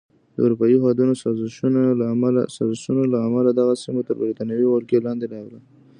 د اروپایي هېوادونو سازشونو له امله دغه سیمه تر بریتانوي ولکې لاندې راغله.